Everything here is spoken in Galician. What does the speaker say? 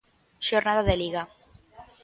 Xornada de Liga.